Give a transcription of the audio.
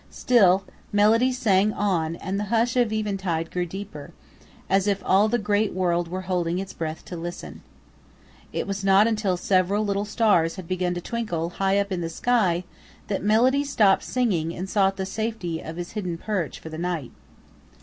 Still Melody sang on and the hush of eventide grew deeper, as if all the Great World were holding its breath to listen. It was not until several little stars had begun to twinkle high up in the sky that Melody stopped singing and sought the safety of his hidden perch for the night.